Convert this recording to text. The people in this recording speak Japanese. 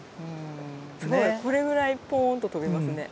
すごいこれぐらいポーンと跳びますね。